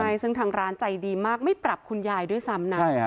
ใช่ซึ่งทางร้านใจดีมากไม่ปรับคุณยายด้วยซ้ำนะ